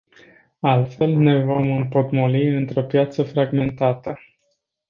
Altfel ne vom împotmoli într-o piață fragmentată.